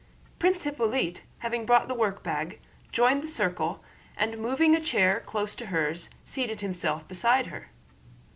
Prince Hippolyte, having brought the workbag, joined the circle and moving a chair close to hers seated himself beside her.